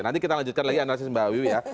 nanti kita lanjutkan lagi analisis mbak wiwi ya